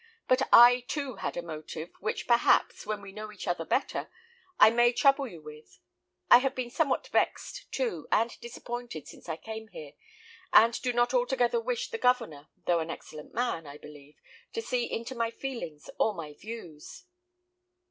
But I, too, had a motive, which, perhaps, when we know each other better, I may trouble you with. I have been somewhat vexed, too, and disappointed since I came here, and do not altogether wish the Governor, though an excellent man, I believe, to see into my feelings or my views."